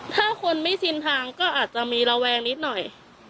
ถ้าคนไม่ชินทางก็อาจจะมีระแวงนิดหน่อย